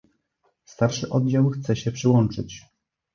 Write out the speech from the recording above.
"Starszy oddział chce się przyłączyć."